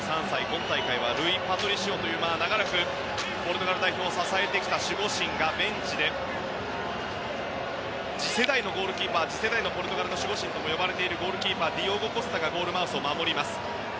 今大会はルイ・パトリシオという長らくポルトガル代表を支えてきた守護神がベンチで次世代のゴールキーパー次世代の守護神といわれるゴールキーパーディオゴ・コスタがゴールマウスを守ります。